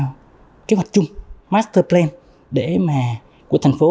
một kế hoạch chung master plan của thành phố